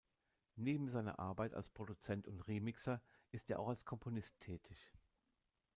Neben seiner Arbeit als Produzent und Remixer ist er auch als Komponist tätig.